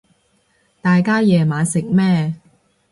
大家夜晚食咩